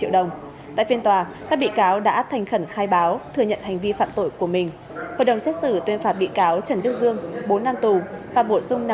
đồng thời lập biên bản tiếp nhận để truyền thông tin